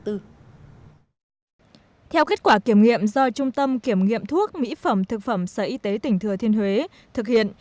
theo kết quả kiểm nghiệm do trung tâm kiểm nghiệm thuốc mỹ phẩm thực phẩm sở y tế tỉnh thừa thiên huế thực hiện